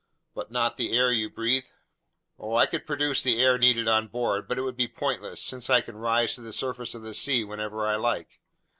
"But not the air you breathe?" "Oh, I could produce the air needed on board, but it would be pointless, since I can rise to the surface of the sea whenever I like.